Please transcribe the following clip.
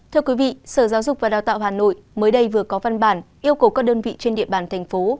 thưa quý vị sở giáo dục và đào tạo hà nội mới đây vừa có văn bản yêu cầu các đơn vị trên địa bàn thành phố